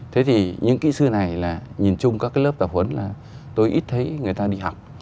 thế thì những kỹ sư này là nhìn chung các cái lớp tập huấn là tôi ít thấy người ta đi học